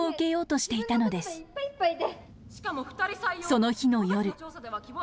その日の夜。